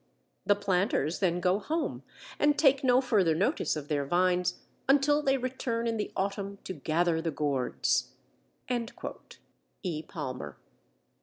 The planters then go home and take no further notice of their vines until they return in the autumn to gather the gourds" (E. Palmer).